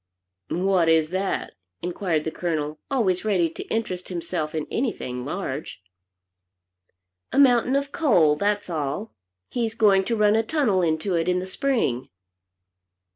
"What is that?" inquired the Colonel, always ready to interest himself in anything large. "A mountain of coal; that's all. He's going to run a tunnel into it in the Spring."